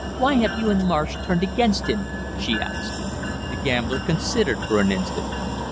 "Why have you and Marsh turned against him?" she asked. The gambler considered for an instant.